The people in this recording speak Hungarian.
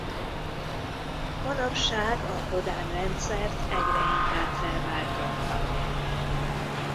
Manapság a Bodán-rendszert egyre inkább felváltotta.